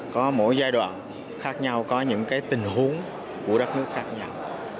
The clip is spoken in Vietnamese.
có mỗi giai đoạn khác nhau có những tình huống của đất nước khác nhau